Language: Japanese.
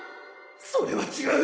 それは違う！